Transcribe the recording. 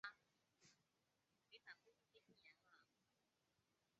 努尔哈赤的侄孙女。